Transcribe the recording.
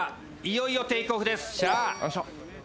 いよいよテイクオフです。